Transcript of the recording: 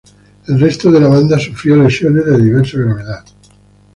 El resto de la banda sufrió lesiones de diversa gravedad.